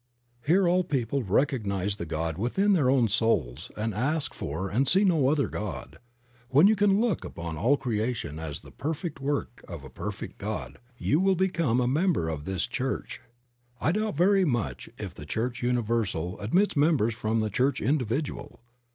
Here all people recognize the God within their own souls and ask for and see no other God. When you can look upon all creation as the perfect work of a perfect God, you will become a member of this church. I doubt very much if the church universal admits members from the church individual.